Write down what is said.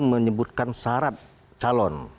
menyebutkan syarat calon